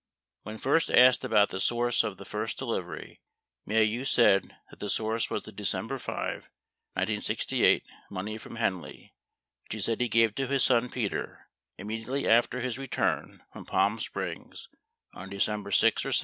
54 When first asked about the source of the first delivery, Maheu said that the source was the December 5, 1968, money from Henley, 55 which he said he gave to his son, Peter, immediately after his return from Palm Springs on December 6 or 7.